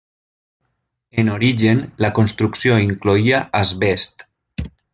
En origen la construcció incloïa asbest.